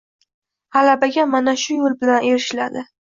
G’alabaga mana shu yo’l bilan erishiladi